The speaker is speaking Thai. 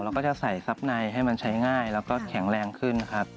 ก็จะใส่ซับในให้มันใช้ง่ายแล้วก็แข็งแรงขึ้นครับ